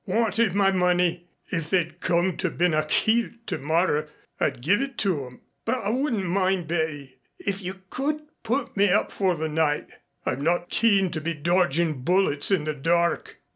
Wanted my money. If they'd come to Ben a Chielt tomorrow I'd give it to 'em. But I wouldn't mind, Betty, if you could put me up for the night. I'm not keen to be dodgin' bullets in the dark."